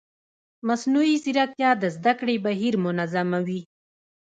مصنوعي ځیرکتیا د زده کړې بهیر منظموي.